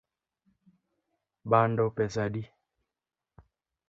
Bando pesa adi?